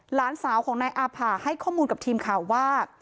หลานสาวของนายอาผ่าให้ข้อมูลกับทีมข่าวว่า